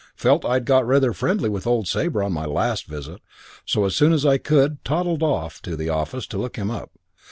Felt I'd got rather friendly with old Sabre on my last visit so as soon as I could toddled off to the office to look him up.